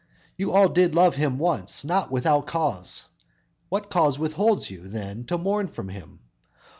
You all did love him once, not without cause; What cause withholds you, then, to mourn for him?